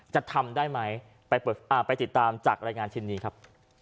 จะทำได้ไหมไปเปิดไปติดตามจากรายงานชิ้นนี้ครับ